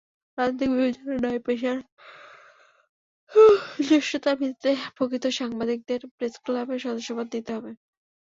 রাজনৈতিক বিবেচনা নয়, পেশার জ্যেষ্ঠতার ভিত্তিতে প্রকৃত সাংবাদিকদের প্রেসক্লাবের সদস্যপদ দিতে হবে।